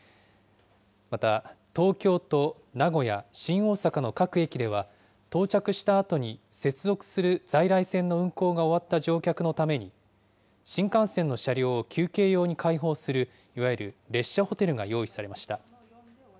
また、東京と名古屋、新大阪の各駅では、到着したあとに接続する在来線の運行が終わった乗客のために、新幹線の車両を休憩用に開放する、いわゆる列車ホテルが用意されました。